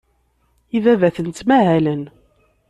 Ibabaten ttmahalen.